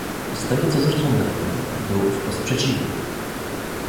Z tego co zrozumiałem, było wprost przeciwnie